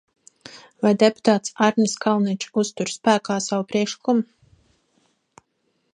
Vai deputāts Arnis Kalniņš uztur spēkā savu priekšlikumu?